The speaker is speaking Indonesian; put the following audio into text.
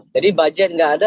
jadi budget nggak ada